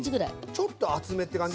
ちょっと厚めって感じ？